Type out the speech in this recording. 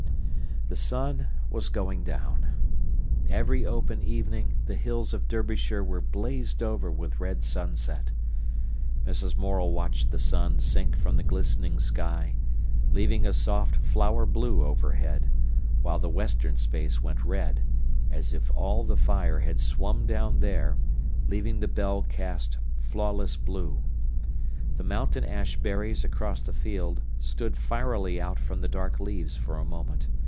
The sun was going down. Every open evening, the hills of Derbyshire were blazed over with red sunset. Mrs. Morel watched the sun sink from the glistening sky, leaving a soft flower blue overhead, while the western space went red, as if all the fire had swum down there, leaving the bell cast flawless blue. The mountain ash berries across the field stood fierily out from the dark leaves, for a moment.